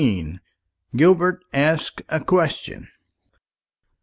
GILBERT ASKS A QUESTION.